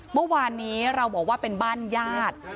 เมื่อวานนี้เราบอกว่าเป็นบ้านญาติ